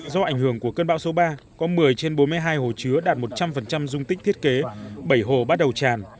do ảnh hưởng của cơn bão số ba có một mươi trên bốn mươi hai hồ chứa đạt một trăm linh dung tích thiết kế bảy hồ bắt đầu tràn